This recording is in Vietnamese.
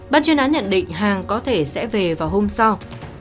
ban chuyên án nhận định hàng có thể sẽ về vào hôm sau